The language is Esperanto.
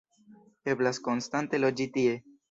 Eblas konstante loĝi tie.